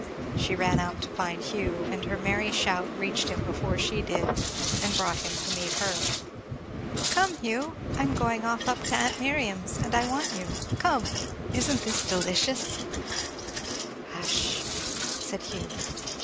She ran out to find Hugh, and her merry shout reached him before she did, and brought him to meet her. "Come, Hugh! I'm going off up to aunt Miriam's, and I want you. Come! Isn't this delicious?" "Hush! " said Hugh.